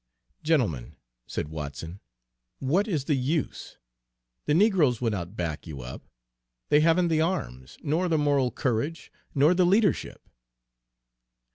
"Gentlemen," said Watson, "what is the use? The negroes will not back you up. They haven't the arms, nor the moral courage, nor the leadership."